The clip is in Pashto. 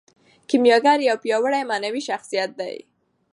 کیمیاګر یو پیاوړی معنوي شخصیت دی.